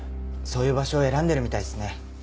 そういう場所を選んでるみたいっすね。